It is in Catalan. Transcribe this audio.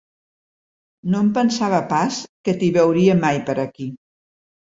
No em pensava pas que t'hi veuria mai, per aquí.